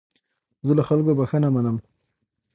زه له خلکو بخښنه منم.